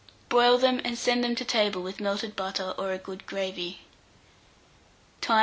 Broil them, and send them to table with melted butter or a good gravy. Time.